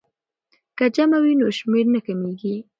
که جمع وي نو شمېر نه کمیږي.